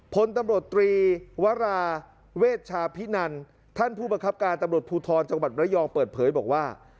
พลตำรวจตรีวราเวชชาพินันท่านผู้บังคับการตำรวจภูทรจังหวัดระยองเปิดเผยบอกว่า